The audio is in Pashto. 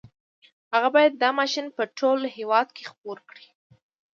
هغه بايد دا ماشين په ټول هېواد کې خپور کړي.